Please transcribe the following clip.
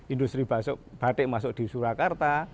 industri batik masuk di surakarta